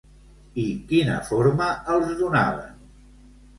I quina forma els donaven?